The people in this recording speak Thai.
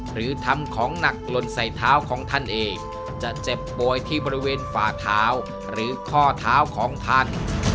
หรือทำของหนักหล่นใส่เท้าของท่านเองจะเจ็บป่วยที่บริเวณฝ่าเท้าหรือข้อเท้าของท่าน